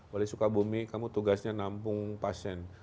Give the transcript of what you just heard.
wali sukabumi kamu tugasnya nampung pasien